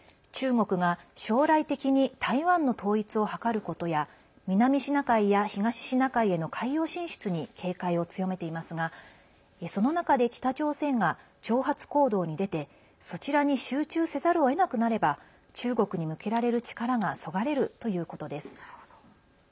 中国が将来的に台湾の統一を図ることや南シナ海や東シナ海への海洋進出に警戒を強めていますがその中で北朝鮮が挑発行動に出てそちらに集中せざるをえなくなれば中国に向けられる力がそがれるということです。